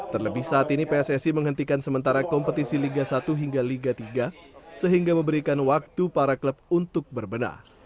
terlebih saat ini pssi menghentikan sementara kompetisi liga satu hingga liga tiga sehingga memberikan waktu para klub untuk berbenah